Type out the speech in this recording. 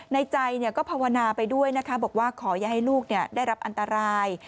ในใจก็ภาวนาไปด้วยนะคะบอกว่าขออย่าให้ลูกได้รับอันตราย